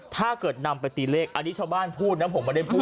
ถ้าเกิดนำไปตีเลขอันนี้ชาวบ้านพูดนะผมไม่ได้พูด